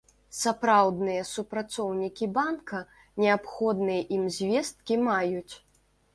Сапраўдныя супрацоўнікі банка неабходныя ім звесткі маюць.